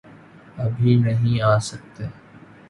ابھی نہیں آسکتے۔۔۔